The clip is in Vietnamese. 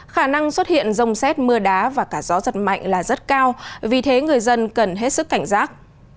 khả năng xuất hiện rông xét mưa đá và cả gió giật mạnh là rất cao vì thế người dân cần hết sức cảnh giác